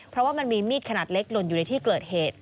เพราะว่ามันมีมีดขนาดเล็กหล่นอยู่ในที่เกิดเหตุ